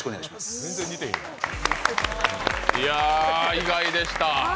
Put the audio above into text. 意外でした。